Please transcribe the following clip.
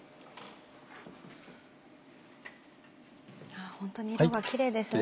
あホントに色がキレイですね。